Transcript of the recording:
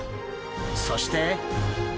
そして！